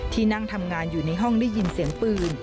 นั่งทำงานอยู่ในห้องได้ยินเสียงปืน